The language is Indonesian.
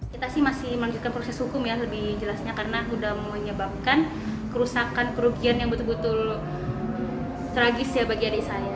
kita sih masih melanjutkan proses hukum ya lebih jelasnya karena sudah menyebabkan kerusakan kerugian yang betul betul tragis ya bagi adik saya